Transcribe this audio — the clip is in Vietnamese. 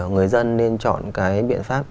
người dân nên chọn cái biện pháp